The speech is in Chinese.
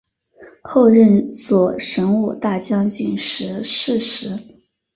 后任左神武大将军时逝世。